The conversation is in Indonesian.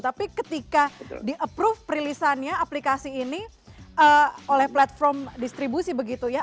tapi ketika di approve perilisannya aplikasi ini oleh platform distribusi begitu ya